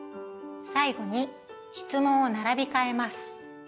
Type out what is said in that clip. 最後に質問を並びかえます。